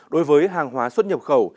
đối với hàng hóa xuất nhập khẩu